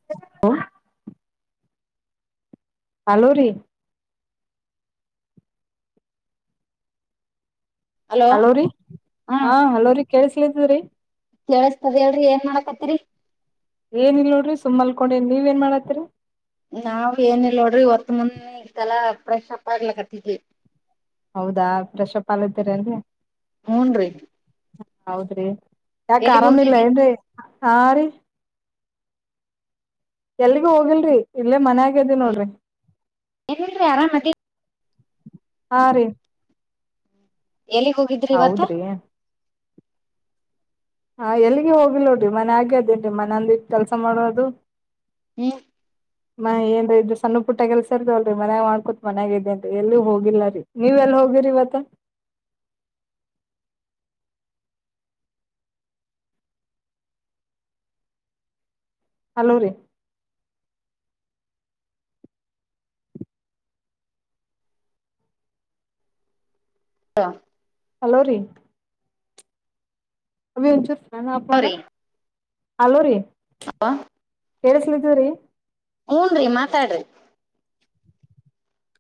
[inaudible] Hello ರೀ hello ರಿ ಹಾ ಹಲೋರ ರಿ ಕೇಳಸ್ಲಿದ್ರೀ ಕೇಳಿಸತದ ಹೇಳ್ರಿ ಏನ್ ಮಾಡಾಕತ್ರಿ ಏನಿಲ್ಲ ನೋಡ್ರಿ ಸುಮ್ಮನೆ ಮಲ್ಕೊಂಡಿ ನೀವ ಏನ್ ಮಾಡಾತ್ರಿ ನಾವ್ ಏನ ಇಲ್ಲ ನೋಡ್ರಿ ಒತ್ತ ಮುನತಲಾ ಫ್ರೆಶ್ ಅಪ್ ಆಗ್ಲಕತವಿ ಹೌದಾ ಫ್ರೆಶ್ಪ್ ಹಾಲ್ದೀರ ಅನ್ರಿ ಹೂನ್ರಿ ಹೌದ್ರಿ ಯಾಕ ಎಲ್ಲಿಗ್ ಅರಾಮಿಲ್ಲ ಹೋಗ್ಯಾರಿ ಏನ್ ಆ ರೀ ಎಲ್ಲಿಗೂ ಹೋಗಿಲ್ರರಿ ಇಲ್ಲೇ ಮನೆ ಆಗ್ಯದ ನೋಡ್ರಿ ಇಲ್ಲ ಇಲ್ಲ ರೀ ಆರಾಮತ್ತೆ ಹಾ ರೀ ಎಲ್ಲಿಗೆ ಹೋಗಿದ್ದು ಹೌದ್ರಿ ಹಾ ಎಲ್ಲಿಗೆ ಹೋಗಿ ಲ್ಲೋಡ್ರಿ ಮನೆ ಆಗ್ಯ ಅದೇನ್ ಮನದ ಇಟ್ಟ ಕೆಲಸ ಮಾಡೋದು ಹ್ಮ್ ಮಏನ್ ಇದದು ಸಣ್ಣ ಪುಟ್ಟ ಕೆಲ್ಸ ಇರ್ದವ್ರರಿ ಮನ್ಯಾಗ ಮಾಡ್ಕೊತ್ ಮನ್ಯಾಗದೆ ಅ ಎಲ್ಲಿೂ ಹೋಗಿಲ್ಲ ರರಿ ನೀವಲ್ಲ ಹೋಗಿರಿ ಇವತ್ತ ಹಲೋ ರೀ ಹ ಹಲೋ ರೀ ಅವಿ ಒಂಚೂರು ಫ್ಯಾನ್ ಆಫ್ ಮಾಡು ಆಪ್ ಮಾಡ ಹಲೋ ರೀ ಕೇಳಿಸಲಿದವ್ರೀ ಹೂನ್ ರಿ ಮಾತಾಡ್ರಿ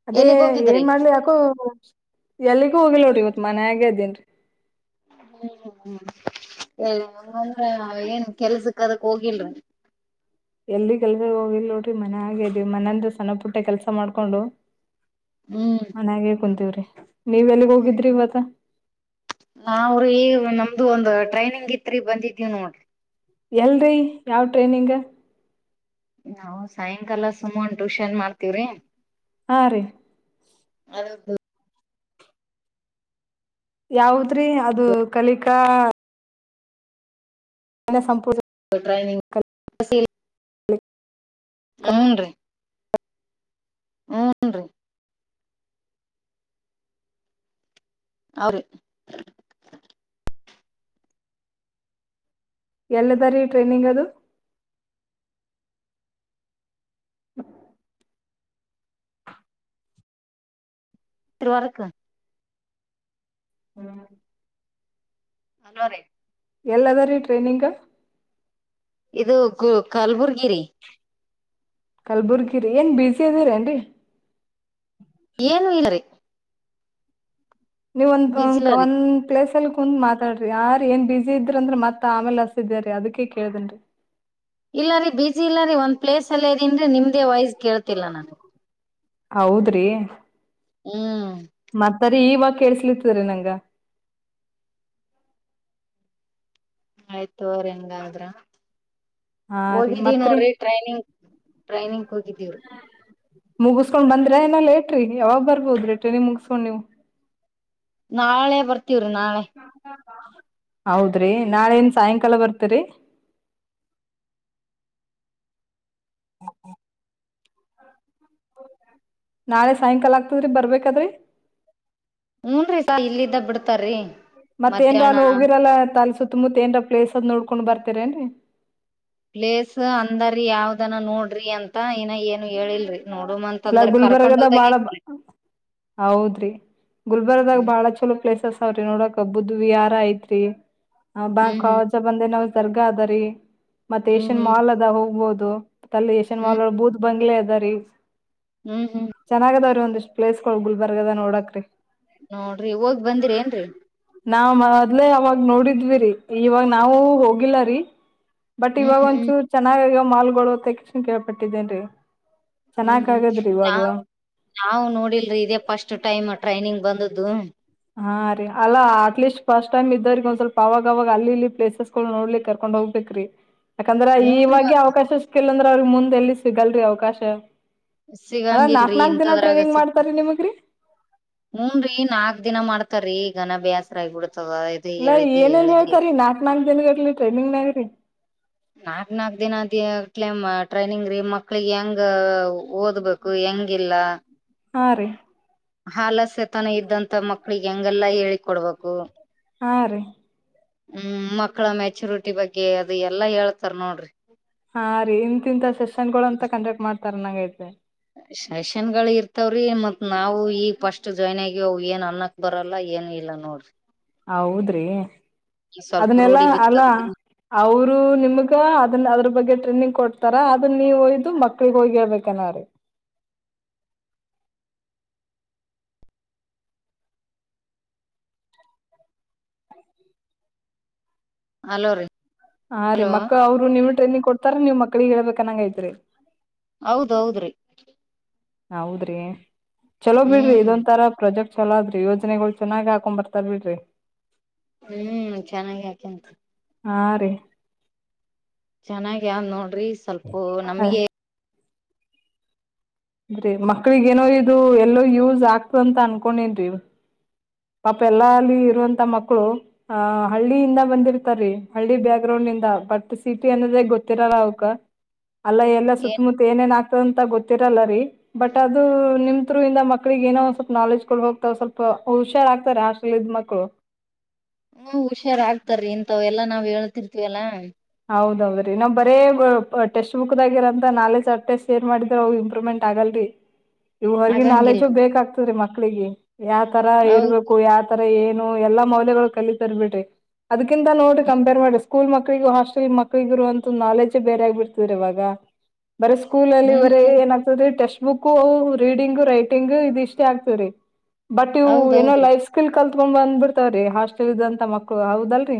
ಅದೇ ಎಲ್ಲಿಗ್ ಹೋಗಿದ್ರಿ ಏನ್ ಮಾಡ್ಲಿ ಯಾಕೋ ಎಲ್ಲಿಗೂ ಹೋಗಿಲೋಡಿ ಇವತ್ ಮನ್ಯ ಆಗೆದನ್ರಿ ಹ್ಮ್ ಹ್ಮ ಹಂಗಂದ್ರ ಏನ್ ಕೆಲ್ಸಕ್ ಅದಕ್ ಹೋಗಿಲ್ರಿ ಎಲ್ಲಿ ಕೆಲ್ಸ ಹೋಗಿಲ್ಲ ನೋಡ್ರಿ ಮನೆಗ ಅದೀವಿ ಮನೆಯಿಂದ ಸಣ್ಣ ಪುಟ್ಟ ಕೆಲ್ಸ ಮಾಡ್ಕೊಂಡು ಹ್ಮ್ ಮನ್ಗೆ ಕುಂತೀವ್ರಿ ನೀವ್ ಎಲ್ಲಿಗ್ ಹೋಗಿದ್ರಿ ಇವತ ನಾವ್ರ ಈ ನಮ್ದು ಒಂದ್ ಟ್ರೈನಿಂಗ್ ಇತ್ರಿ ಬಂದಿದ್ದೀವ್ ನೋಡ್ರಿ ಎಲ್ರರಿ ಯಾವ ಟ್ರೈನಿಂಗ್ ನಾವು ಸಾಯಂಕಾಲ ಸುಮನ್ ಟ್ಯೂಷನ್ ಮಾಡ್ತೀವ್ರಿ ಹಾ ರೀ ಹೌ ದು ಯಾವದ್ರೀ ಅದು ಕಲಿಕಾ ಸಂಪೂರ್ ಟ್ರೈನಂಗ್ ಹೂನ್ ರೀ ಹೂನ್ ರೀ ಅವ್ರ ಎಲ್ಲದ ರೀ ಟ್ರೈನಿಂಗ್ ಅದು ವರ್ಕ್. [inaudible] ಹಲೋ ರೀ. ಎಲ್ಲದ ರೀ ಟ್ರೈನಿಂಗ್. ಇದು ಗು ಕಲ್ಬುರ್ಗಿರಿ. ಕಲ್ಬುರ್ಗಿರಿ ಏನ ಬ್ಯುಸಿ ಇದ್ದೀರೇನ್ ರೀ. ಏನು ಇಲ್ಲರೀ. ನೀವ ಒಂದು ಬೀಚ್ ಒಂದ ಇಲ್ಲರಿ ಕವನ್ ಪ್ಲೇಸ್ಲ್ಲಿ ಕುಂತ್ ಮಾತಾಡ್ರಿ ಯಾರ್ ಏನ್ ಬ್ಯುಸಿ ಇದ್ರರು ಅಂದ್ರ ಮತ್ ಆಮೇಲೆ ಹಚ್ಚತಿದ್ದೆ ಅದಕ್ಕೆೇ ಕೇಳ್ದೇನ್ರಿ. ಇಲ್ಲ ರೀ ಬಿಜಿ ಇಲ್ಲ ರೀ ಒಂದ್ ಪ್ಲೇಸ್ ಅಲ್ಲೇ ಇದೀನ ರಿ ನಿಮ್ದೇ ವೈಸ್ ಕೇಳ್ತಿಲ್ಲ ನನ್ಗ. ಹೌದ್ ರಿ. ಹ್ಮ್. ಮತ್ತರಿ ಇವಾಗ ಕೇಳ್ಸ್ಲಿತ್ತರಿ ನಂಗ. ಆಯ್ತ ತೋರಿ ಹಂಗಾದ್ರ. ಹಾ ರೀ ಹೋಗಿದಿವ ಮತ್ರಿ ನೋಡ್ರಿ ಟ್ರೈನಿಂಗ್ ಟ್ರೈನಿಂಗ್ ಹೋಗಿದ್ದೀವಿ. ಮುಗಿಸಸ್ಕೊಂಡ್ ಬಂದ್ರಾ ಏನ್ ಲೇಟ್ ರೀ ಯಾವಾಗ ಬರ್ಬೋದ್ರೀ ಟ್ರೇನಿಂಗ ಮುಗಿಸಸ್ಕೊಂಡ್ ನೀವು. ನಾಳೆ ಬರ್ತೀವ್ರೀ ನಾಳೆ. ಹೌದ್ರಿ ನಾಳೆ ಏನ್ ಸಾಯಂಕಾಲ ಬರ್ತೀರಿ. [inaudible] ನಾಳೆ ಸಾಯಂಕಾಲ [unintelligible] ರೀ ಬರ್ಬೇಕಾದ್ರಿ. ಹುನ್ರಿ ಸಾ ಇಲ್ಲಿದ್ದ ಬಿಡ್ತಾರೀ. ಮತ್ತೇಏನ್ರ ಅ ಹೋಗಿರಲ್ಲ ತಾಲ್ ಸುತ್ತಮುತ್ತತ್ ಏನ್ರ ಪ್ಲೇಸ್ದ್ ನೋಡ್ಕೊಂಡ್ ಬರ್ತರೇನ್ರಿ. ಪ್ಲೇಸ್ ಅಂದ್ರೀ ಯಾವ್ದನ ನೋಡ್ರಿ ಅಂತ ಇನ ಏನ. ಇನ್ನು ಹೇಳಿಲ್ರಿ ನೋಡುಮ ಅಂತ ಇಲ್ಲ ಅಂದ್ರ ಗುಲ್ಬರ್ಗದ ಬಾಳ ಕರ್ಕೊಂಡಲ್ದಾಗ. ಹೌದ್ರಿ ಗುಲ್ಬರ್ಗಾದಾಗ ಬಹಳ ಚಲೋ ಪ್ಲೇಸಸ್ ಅದಾವರಿ ನೋಡಕ ಬುದ್ಧವಿಯಾರ ಐತ್ರಿ ಹ್ಮ್ ಬಾಂಕ ಹ್ಮ್ ಬಂದೆ ನಾವು ದರ್ಗಾ ಅದ ರಿ ಮತ್ತೆ ಹ್ಮ್ ಏಷ್ಯನ್ ಹ್ಮ್ ಮಾಲ್ ಅದ ಹೋಗ್ಬಹದು. ಮತ್ತ್ ಅಲ್ಲಿ ಯಶನ್ ಹ್ಮ್ ಮಾಲ್ ಬೂದ ಬಂಗ್ಲೆ ಇದ ರೀ. ಹ್ಮ್ ಹ್ಮ್. ಚೆನ್ನಾಗ ಅದಾವ್ರೀ ಒಂದಿಷ್ಟ್ ಪ್ಲೇಸ್ಗಳು ಗುಲ್ಬರ್ಗಾ ದಾಗ ನೋಡಕ್ರೀ. ನೋಡ್ರಿ ಹೋಗ್ ಬಂದಿರ ಏನ್ರರಿ. ನಾವ್ ಮೊದ್ಲೆೇ ಅವಾಗ ನೋಡಿದ್ವಿ ರೀ ಇವಾಗ ನಾವು ಹೋಗಿಲ್ಲ ರೀ. ಬಟ್ ಹ್ಮ್ ಇವಾಗ ಹ್ಮ್ ಒಂಚೂರಾ ಚೆನ್ನಾಗಿ ಆಗ್ಯಾವ ಮಾಲ್ಗಳು ಕಕ್ಷ್ಣ ಕೇಳ್ಪಟ್ಟಿದ್ದೇನ್ ರಿ. ಚೆನ್ನಾಗ ಆಗದ್ರಿ ಇವಾಗ. ನಾವು ನೋಡಿಲ್ರೀ ಇದೇ ಫಸ್ಟ್ ಟೈಮ್ ಟ್ರೈನಿಂಗ್ ಬಂದ್ದದು. ಹಾ ರೀ ಅಲ್ಲ ಅಟ್ಲೀಸ್ಟ್ ಫಸ್ಟ್ ಟೈಮ್ ಇದ್ದವರಿಗೆ ಒಂದ್ ಸ್ವಲ್ಪ ಅವಾಗವಾಗ ಅಲ್ಲಿ ಇಲ್ಲಿ ಪ್ಲೇಸಸ್ ಸ್ ನೋಡ್ಲಿಕ್ ಕರ್ಕೊಂಡ್ ಹೋಗಬೇಕರಿ. ಯಾಕಂದ್ರ ಹೂನ್ರಿ ಈವಾಗೆ ಮತ್ ಅವಕಾಶ ಸಿಕ್ಕಿಲ್ಲ ಅಂದ್ರ ಅವ್ರಿ ಮುಂದ್ ಎಲ್ಲಿ ಸಿಗಲ್ರಿ ಅವಕಾಶ. ಅಲ್ಲ ನಾಕ್ ಸಿಗಂಗಿಲ್ರಿ ನಾಕ್ ದಿನ ಇಂತದ್ರಾಗ ಟ್ರೈನಿಂಗ್ ಮಾಡ್ತಾರಿ ನಿಮಗ್ರಿ. ಹೂನ ರಿ ನಾಕ್ ದಿನ ಮಾಡ್ತಾರೀ ಗನಭ್ಯಾಸ್ರ ಆಗಬಿಡ್ತದ ಇದು ಇಲ್ಲ ಹೇಳಿದ್ದಿ ಏನೇನ್ ಹೇಳದಿ. [unintelligible] ನಾಕ್ ನಾಕ್ ದಿನದ ಕ್ಲೈಮ ಟ್ರೈನಿಂಗ್ ರೀ ಮಕ್ಳಿಗೆ ಹೆಂಗ ಓದಬೇಕ್. ಕು ಹೆಂಗಿಲ್ಲ. ಹಾ ರೀ ಹಾಲಸ್ಯ ತನ ಇದ್ದಂತ ಮಕ್ಳಿಗೆ ಹೆಂಗೆಲ್ಲ ಹೇಳಿ ಕೊಡ್ಬೇಕು ಹಾ ರೀ ಹ್ಮ್ ಮಕ್ಕಳ ಮೆಚುರಿಟಿ ಬಗ್ಗೆ ಅದು ಎಲ್ಲಾ ಹೇಳ್ತಾರ ನೋಡ್ರಿ. ಹಾ ರೀ ಹಿಂತಿತ ಸೆಷನ್ ಗಳು ಅಂತ ಕಂಡಕ್ಟ್ ಮಾಡ್ತಾರ ನಂಗ ಐತೆ. ಸೆಷನ್ ಗಳು ಇರ್ತವ್ರೀ ಮತ್ ನಾವು ಈಗ ಫಸ್ಟ್ ಜಾಯಿನ್ ಆಗ ಏನ್ ಅನ್ನ ಬರಲ್ಲ ಏನು ಇಲ್ಲ ನೋಡ್ರಿ ಹೌದ್ರಿ ಸ್ವಲ್ಪ ಅದನ್ನೆಲ್ಲಾ ರೂಢಿ ಅಲ್ಲ ಬಿತ್ತಂದ್ರ ಅವರು ನಿಮ್ಗ ಅದನ್ನ ಅದ್ರ ಬಗ್ಗೆ ಟ್ರೈನಿಂಗ್ ಕೊಡ್ತಾರ ಅದನ್ನ ನೀವ ಒಯ್ದು ಮಕ್ಳಗ್ ಹೋಗಿ ಹೇಳ್ಬೇಕನ್ರೀ ಹಲೋ ರೀ ಹಾ ರೀ ಮಕ್ಳ ಅವರುನಿಮಗ ಟ್ರೈನಿಂಗ್ ಕೊಡ್ತಾರ ನೀವ್ ಮಕ್ಳಿಗೆ ಹೇಳ್ಬೇಕಕ್ನ್ನಂಗ ಐತ್ರಿ ಹೌದೌದ್ರಿ ಹೌದ್ರಿ ಚಲೋ ಬಿಡ್ರಿ ಹ್ಮ್ ಇದೊಂಂತರ ಪ್ರೊಜೆಕ್ಟ್ ಚಲದ್ರಿ ಯೋಜನೆಗಳು ಚೆನ್ನಾಗಿ ಹಾಕೊ್ ಬರ್ತಾರ್ ಬಿಡ್ರಿ ಹ್ಮ್ ಚೆನ್ನಾಗಿ ಯಾಕೆಂತ ಹಾ ರಿ ಚೆನ್ನಾಗ ಯಾವ್ದ್ ನೋಡ್ರಿ ಸ್ವಲ್ಪ ನಮ್ಗೆ ಹೂ ರಿ ಮಕ್ಳಿಗೇನೋ ಇದು ಎಲ್ಲೋ ಯೂಸ್ ಆಗ್ತ ಅಂತ ಅನ್ಕೊಂಡೆನೆರಿ ಪಾಪ ಎಲ್ಲ ಅಲ್ಲಿ ಇರುವಂತ ಮಕ್ಕಳು ಹ ಹಳ್ಳಿಯಿಂದ ಬಂದಿರ್ತಾರೀ ಹಳ್ಳಿ ಬ್ಯಾಕ್ ಗ್ರೌಂಡ್ ಇಂದ ಬಟ್ ಸಿಟಿ ಅನ್ನೋದೇ ಗೊತ್ತಿರಲ್ಲ ಅವಕ ಅಲ್ಲ ಎಲ್ಲ ಏನ್ ಸುತ್ತಮುತ್ತ ಏನೇನ್ ಆಗ್ತದಂತ ಗೊತ್ತಿರಲ್ಲರಿ ಬಟ್ ಅದು ನಿಮ ೂ ಇಿಂದ ಮಕ್ಳಿಿಗೆ ಏನೋ ಒ ಸ್ವಲ್ಪ ನಾಲೆಜ್ ಕೊಡ್ ಹೋಗ್ತಾವ ಸ್ವಲ್ಪ ಹುಷಾರ ಆಗ್ತಾರೆ ಅಷ್ಟ್ರಲ್ಲಿ ಇದ ಮಕ್ಕಳು ಹ್ಮ ಹುಷಾರ ಆಗ್ತಾರೀ ಇಂತವ್ ಎಲ್ಲಾ ನಾವ್ ಹೇಳ್ತಿರ್ತಿೀವಲ್ಲಾ ಹೌದೌದ್ರೀ ನಾವ್ ಬರೇ ಟಸ್ಟ್ ಬುಕ್ದಾಗಿರೋಂತ ನಾಲೆಜ್ ಆ ಟೆಸ್ಟ್ ಏನ್ ಮಾಡಿದ್ರರು ಅವವು ಇಂಪ್ರೂವ್ಮೆಂಟ್ ಆಗಲ್ರರಿ ಇವು ಹೊಗಿ ನಾಲೆಜು ಆಗಂಗಿಲ್ರಿ ಬೇಕಾಗ್ತದ್ರೀ ಮಕ್ಳಿಗೆ ಯಾವ ತರ ಹೌದ್ ಇರ್ಬೇಕು ು ಯಾವತರ ಏನು ಎಲ್ಲಾ ಮೌಲ್ಯಗಳು ಕಲಿ ತರ್ಬಿಟ್ರಿ ಅದಕಿಂತ ನೋಡಿ ಕಂಪೇರ್ ಮಾಡಿಸ ಸ್ಕೂಲ್ ಮಕ್ಳಿಗೂ ಹಾಸ್ಟೆಲ್ ಮಕ್ಳಿಗೂರು ಅಂತ ನಾಲೆಜೇ ಬೇರೆ ಆಗ್ಬಿಡ್ತವ್ರ ಇವಾಗ ಬರ ಸ್ಕೂಲ ಅಲ್ಲಿ ಬರ ಹ್ಮ್ ಏನ ೀ ಟೆಕ್ಸ್ಟ್ ಬುಕ್ ರೀಡಿಂಗ್ ರೈಟಿಂಗ್ ಇದ್ ಇಷ್ಟೇ ಆಗ್ತೇವ ರೀ ಬಟ್ ಇವು ಏನೋ ಹೌದೌದ್ರಿ ಲೈಫ್ ಸ್ಕಿಲ್ ಕಲ್ತ್ಕೊ ಬಂದ್ಬಿಡ್ತಾವ್ರೀ ಹಾಸ್ಟೆಲ್ ಇದಂತ ಮಕ್ಳು ಹದಲ್ರರಿ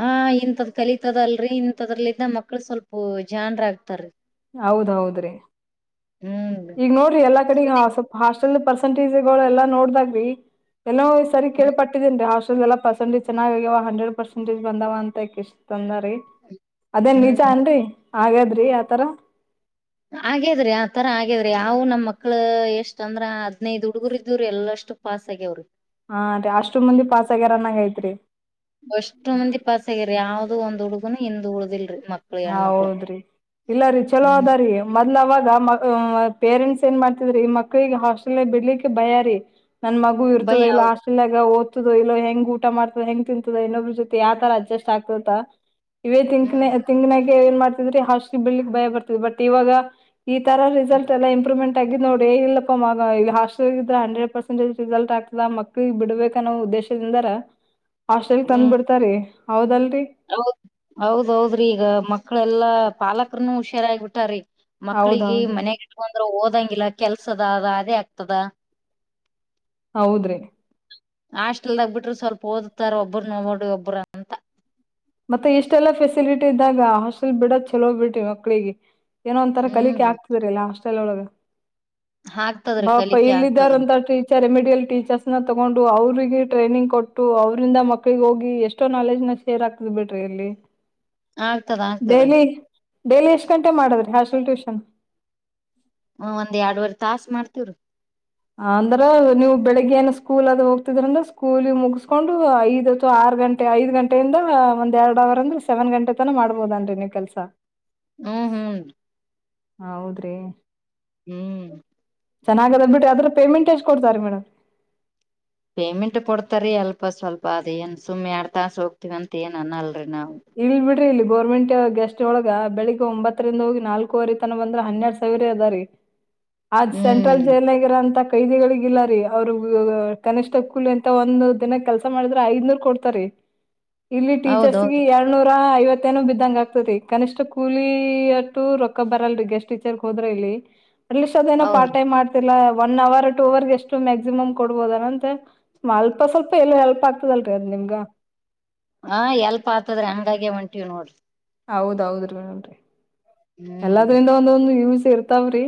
ಹಾ ಇಂಥದ್ ಕಲಿತದಲ್ರರಿ ಇಂಥದ್ರಲಿಂದ ಮಕ್ಳು ಸ್ವಲ್ಪ ಜನ್ರ ಆಗ್ತಾರೀ ಹೌದ್ೌದ್ರಿ ಹ್ಮ್ ಈಗ ನೋಡ್ರಿ ಎಲ್ಲಾ ಕಡೆ ಸ್ವಲ್ಪ ಹಾಸ್ಟೆಲ್ ಪರ್ಸೆಂಟೇಜ್ಗಳು ಎಲ್ಲಾ ನೋಡ್ದಾಗ್ರಿ ಎಲ್ಲ ಸರಿ ಹ್ಮ್ ಕೇಳಳ್ಪಟ್ಟಿದೀೇನ್ ರೀಷ್ಟ ಲ್ಲ ಪರ್ಸೆಟೇಜ್ೆನ್ನಾಗಿ್ಯವ ಹಂಡ್ರೆಡ್ ಪರ್ಸೆಂಟಜ್ ಬಂದವ ಅಂತ ಇಷ್ಟ್ ಅಂದ ಅದೇನ್ ನಿಜ ಹ್ಮ್ ಅನ್ರಿ ಹಾಗಗಾದ್ರಿ ಆತರ ಹಾಗೇದ್ರಿ ಆತರ ಆಗೇದ್ರಿ ಯಾವವು ನಮ್ಮ್ಕ್ಳ ಎಷ್ಟ ಅಂದ್ರ ಹದ್ನೈದ್ ಹುಡುಗರು ಇದವ್ರೀ ಎಲ್ಲಷ್ಟು ಪಾಸ್ ಆಗ್ಯ ಅವ್ರು ಹಾ ರೀ ಅಷ್ಟು ಮಂದಿ ಪಾಸಸ್ಗ್ಯಾರನ್ನಾಗ ಐತ್ರಿ ಅಷ್ಟು ಮಂದಿ ಪಸ್ ಆಗ್ಯ್ರರಿ ಯಾವ್ದು ಒಂದ್ ಹುಡುಗುನು ಹಿಂದ್ ಉಳ್ದಿಲ್ರಿ ಮತ್ತ ಹ ಹೌದ್ರಿ ಇಲ್ಲ ರೀ ಚಲೋ ಹ್ಮ್ ಅದಾರೀ ಮೊದ್ಲು ಅವಾಗ ಮ ಪೇರೆಂಟ್ಸ್ ಏನ್ ಮಾಡ್ತಿದ್ರಿ ಈ ಮಕ್ಳಿಗೆ ಹಾಸ್ಟೆಲ್ ಬಿಡ್ಲಿಕ್ಕೆ ಬಯಾರಿ ನನ್ ಮಗು ಭಯ ಇರ್ತದೆ ಇಲ್ಲ ಹೌದು ಅಷ್ಟ ಇಲ್ಲಾಗ ಓದ್ತೋ ಇಲ್ಲೋ ಹೆಂಗ ಊಟ ಮಾಡ್ತದ ಹೆಂಗ ತಿಂತದ ಇನ್ನೊಬ್ರ ಜೊತೆ ಯಾವ ತರ ಅಡ್ಜಸ್ಟ್ ಆಗ್ತದ ಇವೇ ತಿಂಕಿನ ಹ್ಮ್ ತಿಂಗಿನಾಗೆ ಏನ್ ಮಾಡ್ತಿದ್ರಿ ಹಾಸ ಬೆಳಲಿಕ್ ಭಯ ಬರ್ತ್ ಬಟ್ ಇವಾಗ ಈ ತರ ರಿಸಲ್ಟ್ ಎಲ್ಲ ಇಂಪ್ರೂವ್ಮೆಟ್ ತಗ ನೋಡಿ ಇಲ್ಲಪ್ಪ ಮ ಹೆಲ್್ರ ಹಂಡ್ರೆಡ್ ಪರ್ಸೆಂಟೇ್ ರಿಸಲ್ಟ್ ಆಗ್ತದ ಮಕ್ಳಗ್ ಬಿಡ್ಬೇಕ ಅನ್ನೋ ಉದ್ದೇಶ ಹಾಸ್ಟೆಲ್ ತಂದ್ ಬಿಿಡ್ತಾರ ಹೌದಲ್ರಿ ಹೌದ ಹೌದೌದ್ರಿ ಈಗ ಮಕ್ಳೆಲ್ಲಾ ಪಾಲಕರನು ಹುಷಾರಾಗಿಬಿಟ್ಟಾರಿೀ ಹೌದ್ ಮಕ್ಳಿಗೆ ಹೌದ್ರಿ ಮನೆಗಟ್ಕೊಂಡ್ರ ಓದಂಗಿಲ್ಲ ಕೆಲ್ಸದ ಅದ ಅದೇ ಆಗ್ತದ ಹೌದ್ರಿ ಹಾಟೆಲ್ದಾಗ ಬಿಟ್ರರು ಸ್ವಲ್ಪ ಓದುತ್ತಾರ ಒಬ್ಬರು ನ ಒಬ್ರು ಮತ್ತೆ ಇಷ್ಟೆಲ್ಲಾ ಫೆಸಿಲಿಟಿ ಇದ್ದಾಗ ಹಾಸ್ಟೆಲ್ ಬಿಡ ಚಲೋೋಗ್ ಬಿಟಿ ಮಕ್ಳಿಗೆ ಏನೋ ಒಂಂತರ ಹ್ಮ್ ಕಲಿಕೆ ರೀ ಆಗ್ತಿದ್ರಲ್ಲ ಅಷ್ಟೆಲ್ ಒಳಗೆ ಆಗ್ತದ್ರಿ ಬಾಪಾ ಕಲಿಕೆ ಆಗ್ತದ್ರಿ ಇಲ್ಲಿದ್ದಾರಂತ ಟೀ ರೆಮಿಡಿಯಲ್ ಟೀಚರ್ಸ್ ನ ತಗೊಂಡು ಅವ್ರರಿಗೆ ಟ್ರೈನಿಂಗ್ ಕೊಟ್ಟು ಅವ್ರಂದ ಮಕ್ಕಳಿಗೆ ಹೋಗಿ ಎಷ್ಟೋ ನಾಲೆಜ್ ನ ಶೇರ್ ಆಗ್ತ ಹ್ ಬಿಟ್ರಿ ಎಲ್ಲಿ ಆಗ್ತದ ಆಗ್ತದ್ರಿ ಡೈಲಿ ಡೇಲಿ ಎಷ್ಟು ಗಂಟೆ ಮಾಡದ್ರ ಹಾಸಲ್ ಟ್ಯೂಷನ್ ಹ ಒಂದ್ ಎರಡ್ುವರೆ ತಾಸಸ್ ಮಾಡ್ತಿೀವ್ರೀ ಅಂದ್ರ ನೀವು ಬೆಳಿಗ್ಗೆ ಏನ ಸ್ಕೂಲ್ ಅದ ಹೋಗ್ತಿದ್ರಂದ್ರ ಸ್ಕೂಲಿ ಮುಗಿಸಸ್ಕೊಂಡು ಐದ್ ಅಥವಾ ಆರು ಗಂಟೆ ಐದ್ ಗಂಟೆಯಿಂದಂದ ಒಂದ್ ಎರಡ್ ಅವರ್ ಅಂದ್ರೆ ಸೆವೆನ್ ಗಂಟೆ ತನ ಮಾಡ್ಬೋದನ್ರಿ ನೀವ್ ಕೆಲ್ಸ ಹ್ಮ್ ಹ್ಮ್ ಹೌದ್ರಿ ಹ್ಮ್ ಚನ್ನಾಗ ಅ್ ಬಿ್ರ ಅದ್ರ ಪೇಮೆಟ್ ಎಷ್ಟ್ಡ್ತಾರೆ ಮೇಡ್ ಪೇಮೆಂಟ್ ಕೊಡ್ತಾರ ರೀ ಅಲ್ಪ ಸ್ವಲ್ಪ ಅದೇನು ಸುಮ್ಮನೆ ಎಡು ತಾಸ ಹೋಗ್ತೀವಿ ಅಂತ ಏನು ಅನ್ನಲ್ರಿ ನಾವು ಇಲ್ ಬಿಡ್ರಿ ಇಲ್ಲಿ ಗೋರ್ಮೆಂಟ್ ಗೆಸ್ಟ್ ಒಳಗ ಬೆಳಿಗ್ ಒಂಬತ್ತರಿಂದ ಹೋಗಿ ನಾಲ್ಕೂವರೆ ತನ ಬಂದ್ರ ಹನ್ನೆರಡ್ ಸಾವಿರ ಅದ ರೀ ಅ್ ಹ್ಮ್ ಸೆಂಟ್ರಲ್ ಜೈಲ್ಗ ಇರೋಂತ ಕೈದಿಗಳಿಗ ಇಲ್ಲಾರಿೀ ಅವ್ರರು ಕನಿಷ್ಠ ಕೂಲಿ ಎಂತ ಒಂದ ದಿನ ಕೆಲ್ಸ ಮಾಡಿದ್ರ ಐದ್ನೂರ್ ಕೊಡ್ತಾರಿ ಇಲ್ಲಿ ಟೀಚರ್ಸ್ ಹೌದೌದು ಎರಡ್ ನೂರ ಐವತ್ತೇನು ಬಿದ್ದಂಗ ಆಗ್ತತಿ ಕನಿಷ್ ಕೂಲಿ ಅಟ್ಟು ರೊಕ್ಕ ಬರಲ್ರಿ ಗಷ್ಟಟ್ ಟೀಚರ್ ಹೋದ್ರೆ ಇಲ್ಲಿ ಅಟ್ಸ್ ಅದ ೇನೋ ಹೌದ್ರಿ ಪ್ ೈಮ್ ಲ್ಲ ಒನ್ ಅವರ್ ಟು ಅವರ್ಗೆ ಎಷ್ಟು ಮ್ಯಾಕ್ಸಿಮಮ್ ಕೊಡ್ಬೋದನಂತ ಅಲ್ಪ ಸ್ವಲ್ಪ ಎಲ್ ಹೆಲ್ಪ್ ಆಗ್ತದಲ್ರಿೀ ಅ್ ನಿಮ್ಗ ಹಾ ಎಲ್ಪಾತದ್ರ ಹಂಗಾಗಿ ಹೊಂಟಿವವಿ ನೋಡ್ರಿ ಹೌದ್ೌದ್ರೀ ಮೇಡಮ್ರರಿ ಹ್ಮ್ ಎಲ್ಲದ್ರಿಂದ ಒಂದೊಂದು್ ಯೂಸ್ ಇರ್ತಾವ್ರಿ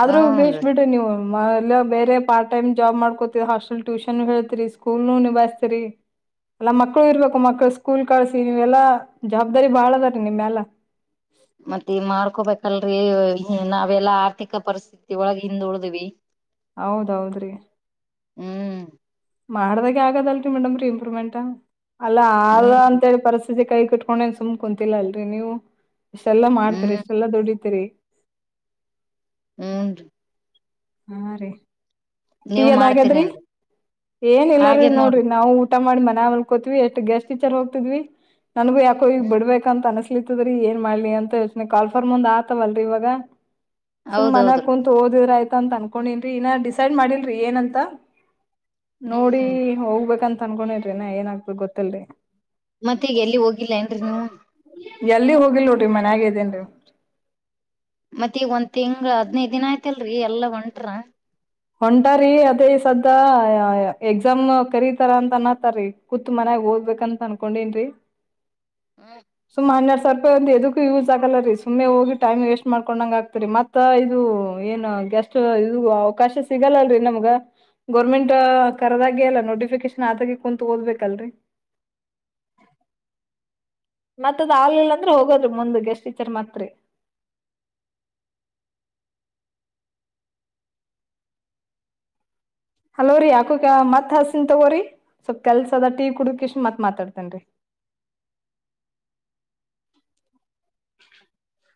ಆದ್ರೂ ಬೇಷ್ಟ ಹನ್ರಿ ಬಿಡ್ರ ನೀವು ಮ ಎಲ್ಲ ಬೇರೆ ಪಾರ್ ಟೈಮ್ ಜಾಬ್ ಮಾಡ್ಕೋತಿರಿ ಹಾಸ್ಟೆಲ್ ಟ್ಯೂಷನ್ ಹೇಳ್ತೀರಿ ಸ್ಕೂಲ್ನು ನಿಭಾಯ್ತರಿ ಎಲ್ಲ ಮಕ್ಕಳು ಇರ್ಬೇಕು ಮಕ್ಳು ಸ್ಕೂಲ್ ಕಳ್ಸಿ ನೀವೆಲ್ಲಾ ಜವಾಬ್ದಾರಿ ಬಾಳ ಅದ ರೀ ನಿಮ್ಮೆಲ್ಲ ಮತ್ತೆ ಮಾಡ್ಕೋಬೇಕಲ್ರರಿ ನಾವೆಲ್ಲಾ ಆರ್ಥಿಕ ಪರಿಸ್ಥತಿ ಒಳಗೆ ಹಿಂದ ಉಳ್ದಿವವಿ ಹೌದೌದ್ರಿ ಹ್ಮ್ ಮಾಡದಾಗ ಆಗದಲ್ರರಿ ಮೇಡಮ್ರರಿ ಇಂಪ್ರೂವ್ಮೆಂಟ್ ಅಲ್ಲ ಆದ ಹ್ಮ್ ಅಂತೇಳಿ ಪರಿಸ್ಥಿತಿ ಕೈ ಕಟ್ ಕೋಣನ್ ಸುಮ್ ಕುಂತಿಲ್ಲ ಅಲ್ರಿ ನೀವು ಇಷ್ಟೆಲ್ಲಾ ಮಾಡ್ತೀರಿ ಹ್ಮ್ ಇಷ್ಟೆಲ್ಲ ದುಡಿತೀರಿ ಹಂದು ಹಾ ರೀ ನೀವ್ ೀಗದಗದ್ರಿ ಮಾಡ್ತೀರೇನ್ರಿ ಏನ್ಲ್ಲಾರೀ ನೋಡ್ರಿ ನಾವವುಊ ಊಟ ಮಾಡ ಮ ಮಲ್ ಕೋತತಿವಿ ಎಷ್ಟು ಗೆಸ್ಟ್ ಟಚರ್ ಹೋಗ್ತಿದ್ವಿ ನನ್ಗು ಯಾಕೋ ಈಗ ಹ್ಮ್ ಬಿಡ್ಬೇಕ ಅನ್ಸ ಲದೀ ಏನ್ ಮಾಡ್ಲಿ ಅಂತ ಕಾಲ್ಫರ್ ಮುಂದ್ ಆತವಲ್ರಿ ಇವಾಗ ಸು್ ಮ ಹೌದೌದ್ರಿ ಕು ತೋದ್ರ ಆಯ್ತ ಅಂತ ಅನ್ಕೊಂಡನ್ರಿ ಇನ್ನ ಡಿಸೈಡ್ ಮಾಡಿಲ್ರಿ ಏನಂತ ಹ್ಮ್ ನೋಡಿ ಹ್ಮ್ ಹೋಗ್ಬೇಕಂತ ಅನ್ಕೊಂಡಿದ್ರಿ ನ ಏನಾಗ್ಬೇಕಕ್ ಗೊತ್ತಲ್ರಿ ಮತ್ತೆ ಈಗ ಎಲ್ಲಿ ಹೋಗಿಲ್ಲ ಏನ್ರರಿ ನೀವು ಎಲ್ಲಿ ಹೋಗಿಲ್ ನೋಡ್ರಿ ಮನ್ಯಾಗೆ ಇದೇನ್ರಿ ಮತ್ತ ಈಗ ಒಂದ್ ತಿಂಗ್ ಹದನೈದ ದಿನ ಆಯ್ತಲ್ರರಿ ಎಲ್ಲಾ ಒಂಟ್ರ ಹೊಂಟಾರಿ ಅದೇ ಸದಾ ಎಕ್ಸಾಮ್ ಕರೀತಾರ ಅಂತ ಅನಾತಾರೀ ಕತ್ಮನ್ಯಾಗ ಓದ್ಬೇಕಂತ ಅನ್ಕೊಂಡನ್ ಹ್ಮ ಸುಮ ಹನ್ನೆರಡ್ ಸಾವಿರ ಒಂದು ಎದಕ್ಕೂ ಯೂಸ್ ಆಗಲ್ಲ ರೀ ಸುಮ್ಮ್ ಹೋಗಿ ಟೈಮ್ ವೇಸ್ಟ್ ಮಾಡ್ಕೊಂಡಂಗ ಆಗ್ತರಿ ಮತ್ತ ಇದು ಏನ್ ಗೆಸ್ಟ್ ಇದು ಅವಕಾಶ ಸಿಗಲ್ಲಲ್ರರಿ ನಮ್ಗ ಗೋರ್ಮೆಂಟ್ ಕರದಾಗ ಅಲ್ಲ ನೋಟಿಫಿಕೇಶನ್ ಆದಾಗೆ ಕುೂಂತು ಓದ್ಬೇಕಲ್ರರಿ ಮತ್ತದ್ ಆಲ್ಲ್ ಅಂದ್ರೆ ಹೋಗೋದ್ರರು ಮುಂದ ಸ್ಟ್ ಟಚರ್ ಮಾತ್ರಿ ಹಲೋರೀ ಯಾಕುತ್ ಹಸಿನ್ ತಗೋರಿ ಸ್ವಲ್ಪ್ ಕೆಲ್ಸ ಅದ ಟ ಕುಡಕ್ ಇಷ್ಟ್ ಮತ್ ಮಾತಾಡ್ತೇನ್ [unintelligible]